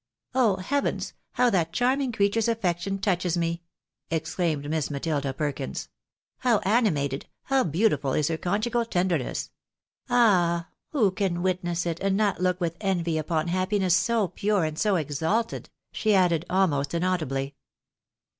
" Oh heavens ! How that charming creature's affection touches me !" exclaimed Miss Matilda Perkins. " How animated, how beautiful is her conjugal tenderness ! Ah, who can witness it, and not look with envy upon happiness so pure and so exalted," she added, almost inaudibly.